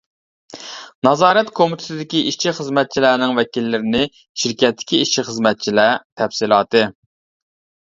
نازارەت كومىتېتىدىكى ئىشچى-خىزمەتچىلەرنىڭ ۋەكىللىرىنى شىركەتتىكى ئىشچى-خىزمەتچىلەر. تەپسىلاتى.